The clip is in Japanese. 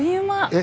え？